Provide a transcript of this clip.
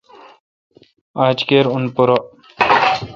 آج کیر اؙن پورہ۔